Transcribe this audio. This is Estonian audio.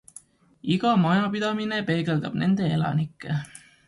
Iga majapidamine peegeldab nende elanikke.